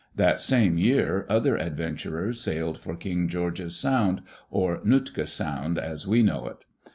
That same year other adventurers sailed for King George's Sound, or Nootka Sound as we know it.